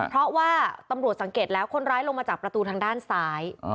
เพราะว่าตำรวจสังเกตแล้วคนร้ายลงมาจากประตูทางด้านซ้าย